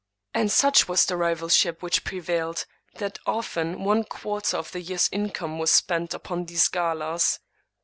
And such was the rivalship which prevailed, that often one quarter of the year's income was spent upon these galas.